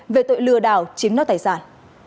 về tội lừa đảo chiếm nốt tài sản